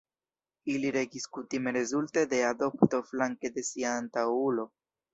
Ili regis kutime rezulte de adopto flanke de sia antaŭulo.